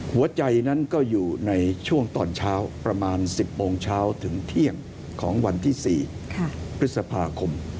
หัวใจนั้นก็อยู่ในช่วงตอนเช้าประมาณ๑๐โมงเช้าถึงเที่ยงของวันที่๔พฤษภาคม